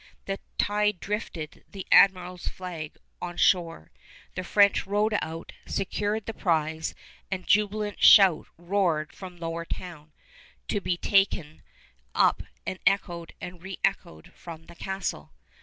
The tide drifted the admiral's flag on shore. The French rowed out, secured the prize, and a jubilant shout roared from Lower Town, to be taken up and echoed and reëchoed from the Castle!